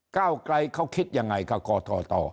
เก้าไกลเขาคิดยังไงเขาก่อต่อ